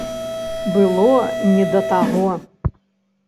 Было не да таго.